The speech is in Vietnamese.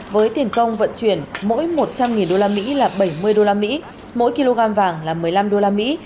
với tiền công vận chuyển mỗi một trăm linh đô la mỹ là bảy mươi đô la mỹ mỗi kg vàng là một mươi năm đô la mỹ